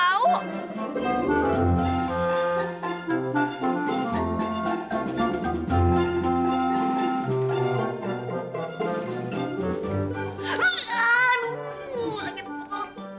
aduh angin terlalu